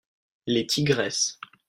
Les tigresses.